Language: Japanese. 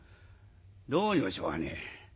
どうにもしょうがねえ。